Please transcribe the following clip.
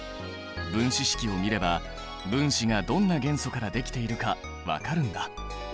分子式を見れば分子がどんな元素からできているか分かるんだ。